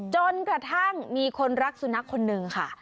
จนกระทั่งมีคนรักสุนัขคนนึงค่ะ